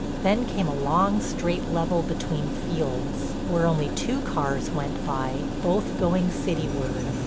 Then came a long, straight level between fields where only two cars went by, both going cityward.